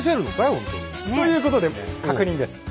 ほんとに。ということで確認です。